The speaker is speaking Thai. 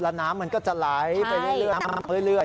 แล้วน้ำมันก็จะไหลไปเรื่อย